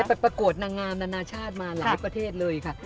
ประกวดนางงามนานาชาติมาหลายประเทศเลยค่ะ